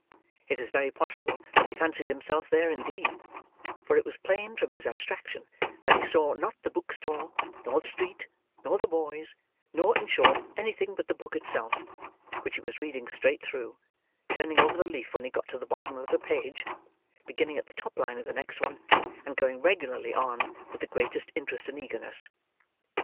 It is very possible that he fancied himself there, indeed; for it was plain, from his abstraction, that he saw not the book stall, nor the street, nor the boys, nor, in short, anything but the book itself: which he was reading straight through: turning over the leaf when he got to the bottom of a page, beginning at the top line of the next one, and going regularly on, with the greatest interest and eagerness.